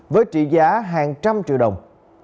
với trị giá hàng trăm triệu đồng